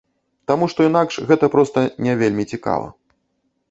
Таму што інакш гэта проста не вельмі цікава.